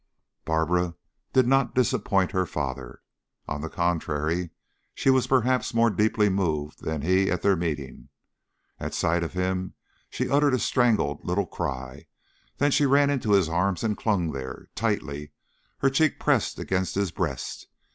Barbara did not disappoint her father. On the contrary, she was perhaps more deeply moved than he at their meeting. At sight of him she uttered a strangled little cry, then she ran into his arms and clung there, tightly, her cheek pressed against his breast.